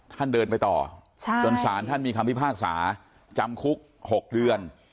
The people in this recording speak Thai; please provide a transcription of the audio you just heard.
เดินไปต่อจนสารท่านมีคำพิพากษาจำคุก๖เดือน